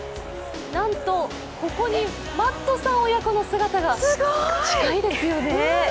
なんとここにマットさん親子の姿が、近いですよね。